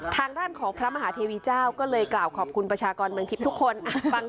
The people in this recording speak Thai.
ทางด้านของพระมหาเทวีเจ้าก็เลยกล่าวขอบคุณประชากรเมืองทิพย์ทุกคน